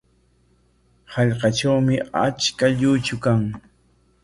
Hallqatrawmi achka luychu kan.